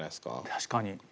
確かに。